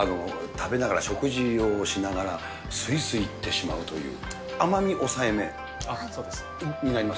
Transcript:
食べながら、食事をしながら、すいすいいってしまうという。